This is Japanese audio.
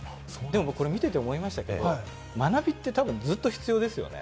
僕、これ見てて思いましたけど、学びって、ずっと必要ですよね。